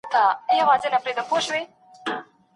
زیاته ډوډۍ ماڼۍ ته نه ده وړل سوې.